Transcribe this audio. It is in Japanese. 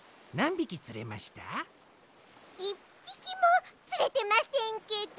１ぴきもつれてませんけど？